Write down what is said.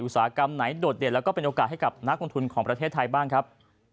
อุตสาหกรรมไหนโดดเด่นแล้วก็เป็นโอกาสให้กับนักลงทุนของประเทศไทยบ้างครับ